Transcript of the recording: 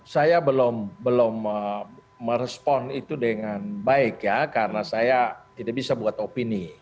saya belum merespon itu dengan baik ya karena saya tidak bisa buat opini